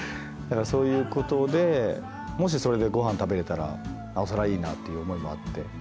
そういうことでもしそれでご飯食べられたらなおさらいいなという思いもあって。